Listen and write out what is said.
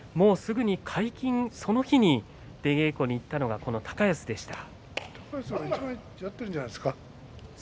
解禁の、その日に出稽古に行ったのがこの高安でした。